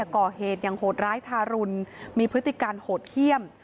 ก่อเหตุอย่างโหดร้ายทารุณมีพฤติการโหดเขี้ยม